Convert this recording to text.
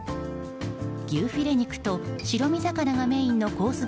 牛フィレ肉と白身魚がメインのコース